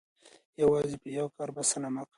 یوازې په یو کار بسنه مه کوئ.